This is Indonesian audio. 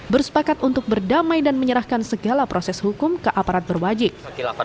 bersepakat untuk berdamai dan menyerahkan segala proses hukum ke aparat berwajib